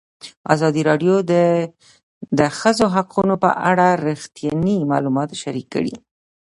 ازادي راډیو د د ښځو حقونه په اړه رښتیني معلومات شریک کړي.